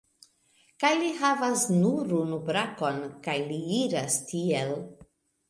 Kaj li havas nur unu brakon, kaj li iras tiel